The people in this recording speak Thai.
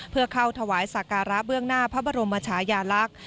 เพื่อเข้าถวายสักการะเบื้องหน้าพระบรมชายาลักษณ์